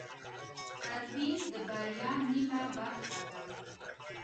تدبیر د بریا نیمه برخه ده.